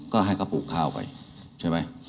ก็ให้เขาปลูกข้าวไปใช่ไหม